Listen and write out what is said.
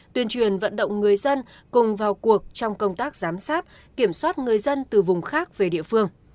tuyên truyền vận động người dân cùng vào cuộc trong công tác giám sát kiểm soát người dân từ vùng khác về địa phương